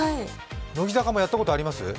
乃木坂もやったことありますか？